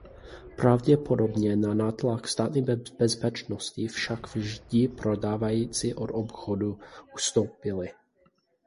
Pravděpodobně na nátlak státní bezpečnosti však vždy prodávající od obchodu ustoupili.